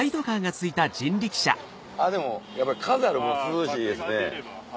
あっでもやっぱり風ある分涼しいですね。